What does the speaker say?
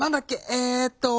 えっと。